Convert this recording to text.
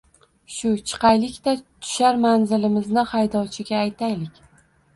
Shu chiqaylik-da, tushar manzilini haydovchiga aytaylik.